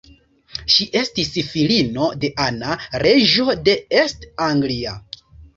Ŝi estis filino de Anna, reĝo de East Anglia.